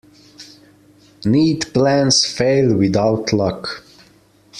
Neat plans fail without luck.